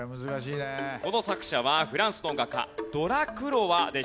この作者はフランスの画家ドラクロワでした。